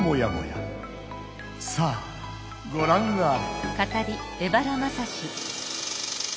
さあごらんあれ！